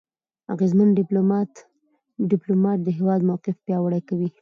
اغېزمن ډيپلوماټ د هېواد موقف پیاوړی کوي.